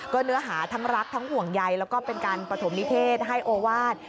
เนื้อหาทั้งรักทั้งห่วงใยแล้วก็เป็นการปฐมนิเทศให้โอวาส